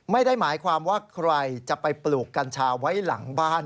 ไม่ได้หมายความว่าใครจะไปปลูกกัญชาไว้หลังบ้าน